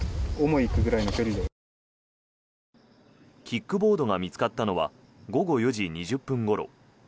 キックボードが見つかったのは午後４時２０分ごろ。